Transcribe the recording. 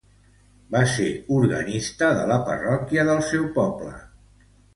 Va ser organista de la parròquia del seu poble.